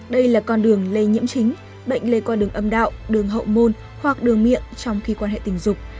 đây là con đường lây nhiễm chính bệnh lây qua đường âm đạo đường hậu môn hoặc đường miệng trong khi quan hệ tình dục